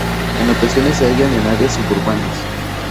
En ocasiones se hallan en áreas suburbanas.